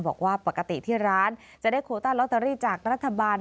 บอกว่าปกติที่ร้านจะได้โคต้าลอตเตอรี่จากรัฐบาล